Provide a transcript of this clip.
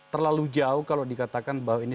terlalu jauh kalau dikatakan bahwa ini